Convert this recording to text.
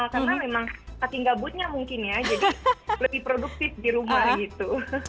karena memang kaki gabutnya mungkin ya jadi lebih produktif di rumah gitu